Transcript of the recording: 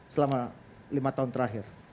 selama lima tahun terakhir